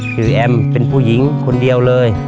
คือแอมเป็นผู้หญิงคนเดียวเลย